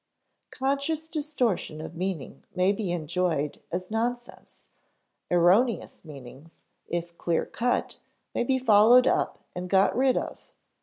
Conscious distortion of meaning may be enjoyed as nonsense; erroneous meanings, if clear cut, may be followed up and got rid of.